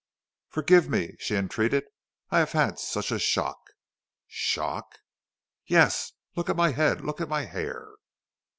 "Forgive me," she entreated, "I have had such a shock." "Shock?" "Yes. Look at my head! look at my hair!"